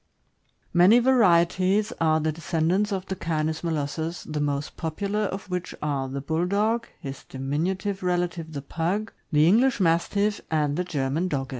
Many varieties are the descendants of the Canis mo lossus, the most popular of which are the Bulldog, his diminutive relative the Pug, the English Mastiff, and the German Dogge.